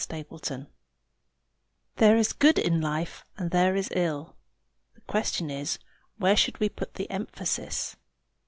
_ THIS WORLD There is good in life and there is ill. The question is where we should put the emphasis.